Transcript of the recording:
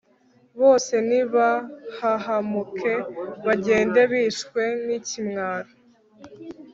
bose nibahahamuke, bagende bishwe n'ikimwaro